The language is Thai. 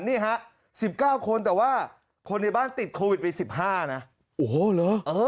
นี่ฮะสิบเก้าคนแต่ว่าคนในบ้านติดโควิดไปสิบห้านะโอ้โหหรอเออ